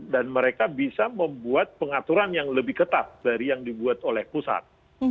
dan mereka bisa membuat pengaturan yang lebih ketat dari yang dibuat oleh pusat